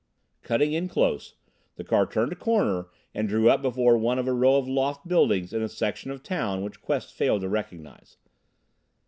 Cutting in close, the car turned a corner and drew up before one of a row of loft buildings in a section of the city which Quest failed to recognize.